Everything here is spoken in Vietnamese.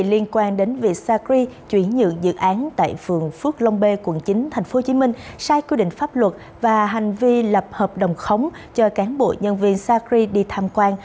liên quan đến việc sacri chuyển nhượng dự án tại phường phước long b quận chín tp hcm sai quy định pháp luật và hành vi lập hợp đồng khống cho cán bộ nhân viên sacri đi tham quan